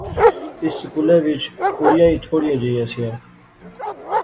اس سکولے وچ کُڑیاں ایہہ تھوڑیاں جئیاں سیاں